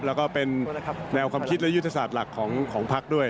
แล้วก็เป็นแนวความคิดและยุทธศาสตร์หลักของพักด้วย